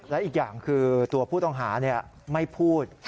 และอีกอย่างคือตัวผู้ต้องหาไม่พูด